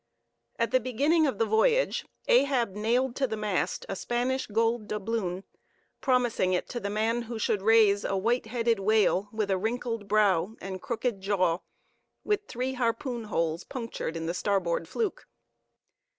At the beginning of the voyage Ahab nailed to the mast a Spanish gold doubloon, promising it to the man who should raise "a white headed whale with a wrinkled brow and crooked jaw, with three harpoon holes punctured in the starboard fluke."